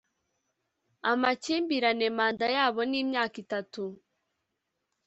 amakimbirane manda yabo ni imyaka itatu